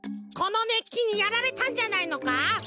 このねっきにやられたんじゃないのか？